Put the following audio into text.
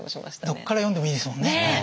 どっから読んでもいいですもんね。